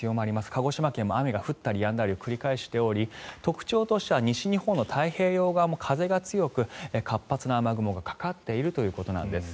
鹿児島県も雨が降ったりやんだりを繰り返しており特徴としては西日本の太平洋側も風が強く活発な雨雲がかかっているということなんです。